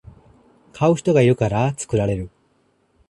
買う人がいるから作られる